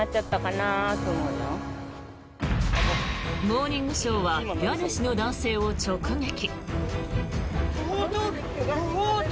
「モーニングショー」は家主の男性を直撃。